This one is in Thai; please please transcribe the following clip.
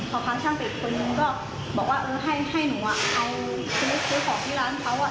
พอพาช่างไปอีกคนนึงก็บอกว่าเออให้หนูเอาชีวิตซื้อของที่ร้านเขา